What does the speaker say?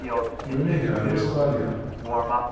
Yunag ɣer Ustṛalya.